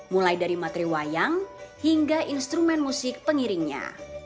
mulai dari materi wayang hingga instrumen musik pengiringnya